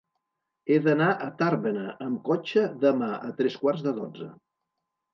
He d'anar a Tàrbena amb cotxe demà a tres quarts de dotze.